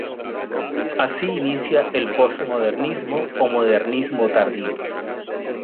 Así inicia el "post modernismo" o "modernismo tardío".